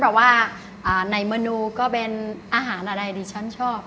แต่ว่าในเมนูก็เป็นอาหารอะไรดิฉันชอบ